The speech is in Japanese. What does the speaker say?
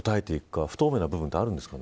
不透明な部分はあるんですかね。